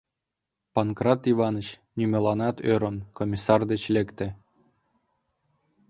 Панкрат Иваныч, нимоланат ӧрын, комиссар деч лекте.